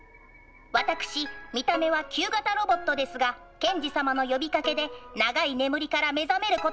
私見た目は旧型ロボットですがケンジ様の呼びかけで長い眠りから目覚めることができました。